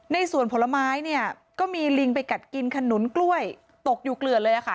ในสวนผลไม้เนี่ยก็มีลิงไปกัดกินขนุนกล้วยตกอยู่เกลือดเลยค่ะ